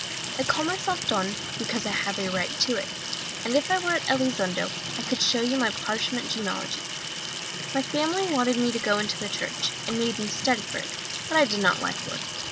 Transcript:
I call myself Don, because I have a right to it, and if I were at Elizondo I could show you my parchment genealogy. My family wanted me to go into the church, and made me study for it, but I did not like work.